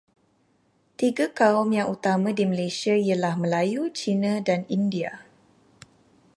Tiga kaum yang utama di Malaysia ialah Melayu, Cina dan India.